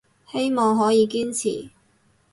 希望可以堅持